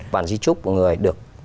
vạn di trúc người được